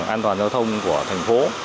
an toàn giao thông của thành phố